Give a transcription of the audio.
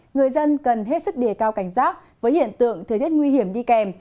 người dân cần hết sức đề cao cảnh giác với hiện tượng thời tiết nguy hiểm đi kèm